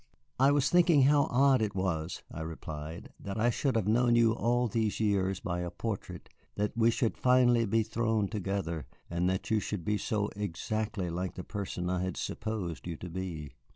"I was thinking how odd it was," I replied, "that I should have known you all these years by a portrait, that we should finally be thrown together, and that you should be so exactly like the person I had supposed you to be."